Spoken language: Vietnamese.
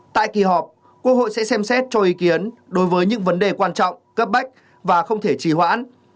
tại kỳ họp quốc hội sẽ xem xét cho ý kiến đối với những vấn đề quan trọng cấp bách và không thể trì hoãn